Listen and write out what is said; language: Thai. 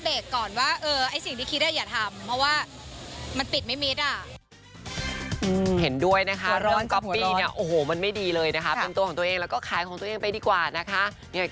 เพราะฉะนั้นวันนี้เราก็เลยรีบมาเบรกก่อนว่าเออไอ้สิ่งที่คิดอ่ะอย่าทำ